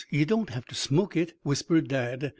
You don't have to smoke it," whispered Dad.